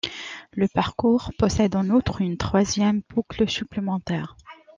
Le parcours possède en outre une troisième boucle supplémentaire.